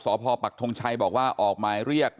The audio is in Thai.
สพปักทงชัยบอกว่าออกหมายเรียก